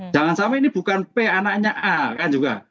jangan sampai ini bukan p anaknya a kan juga